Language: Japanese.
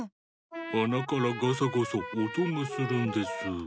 あなからガサゴソおとがするんです。